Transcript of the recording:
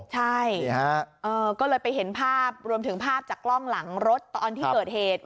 ใช่ก็เลยไปเห็นภาพรวมถึงภาพจากกล้องหลังรถตอนที่เกิดเหตุ